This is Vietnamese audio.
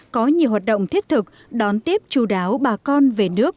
có nhiều hoạt động thiết thực đón tiếp chú đáo bà con về nước